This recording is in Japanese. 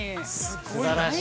◆すばらしい。